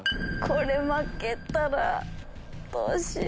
これは負けたらどうしよう。